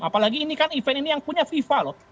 apalagi ini kan event ini yang punya fifa loh